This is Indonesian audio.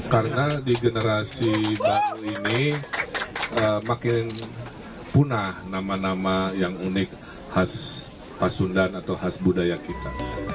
karena di generasi baru ini makin punah nama nama yang unik khas pasundan atau khas budaya kita